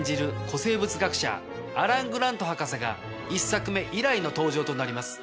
古生物学者アラン・グラント博士が１作目以来の登場となります。